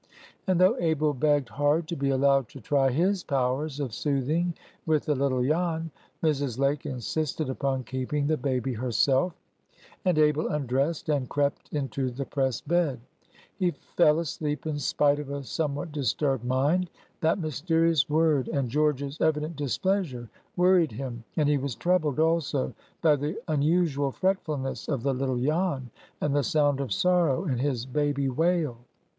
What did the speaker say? And though Abel begged hard to be allowed to try his powers of soothing with the little Jan, Mrs. Lake insisted upon keeping the baby herself; and Abel undressed, and crept into the press bed. He fell asleep in spite of a somewhat disturbed mind. That mysterious word and George's evident displeasure worried him, and he was troubled also by the unusual fretfulness of the little Jan, and the sound of sorrow in his baby wail.